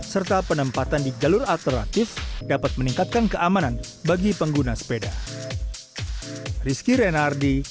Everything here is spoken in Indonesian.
serta penempatan di jalur alternatif dapat meningkatkan keamanan bagi pengguna sepeda